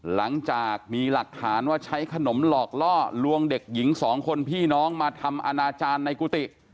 หลังจากมีหลักฐานว่าใช้ขนมหลอกล่อลวงเด็กหญิงสองคนพี่น้องมาทำอนาจารย์ในกุฏิ